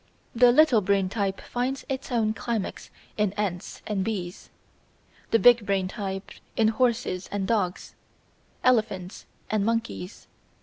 The "little brain" type finds its climax in ants and bees; the "big brain" type in horses and dogs, elephants and monkeys.